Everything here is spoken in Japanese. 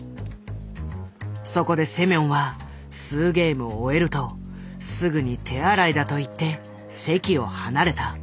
そこでセミョンは数ゲームを終えるとすぐに手洗いだと言って席を離れた。